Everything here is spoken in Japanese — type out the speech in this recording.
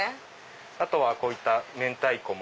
あとはこういった明太子も。